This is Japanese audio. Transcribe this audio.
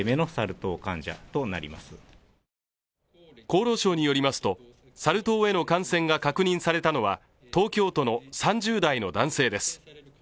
厚労省によりますと、サル痘への感染が確認されたのは東京都の３０代の男性です。